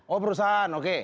oh perusahaan oke